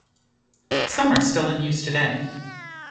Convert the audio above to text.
Some are still in use today.